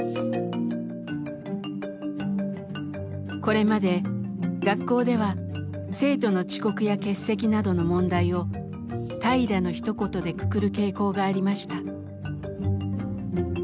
これまで学校では生徒の遅刻や欠席などの問題を「怠惰」のひと言でくくる傾向がありました。